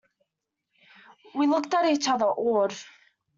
We looked at each other, awed.